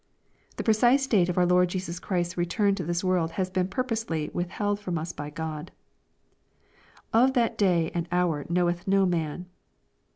The precise date of our Lord Jesus Christ's return to this world has been purposely withheld from us by Grod. " Of that day and hour knoweth no man."